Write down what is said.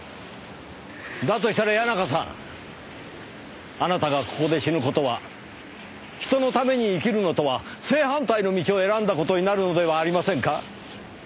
だとしたら谷中さんあなたがここで死ぬ事は人のために生きるのとは正反対の道を選んだ事になるのではありませんか？